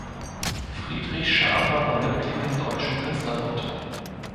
Friedrich Schaper war Mitglied im Deutschen Künstlerbund.